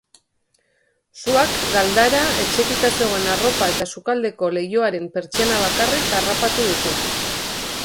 Suak galdara, esekita zegoen arropa eta sukaldeko leihoaren pertsiana bakarrik harrapatu ditu.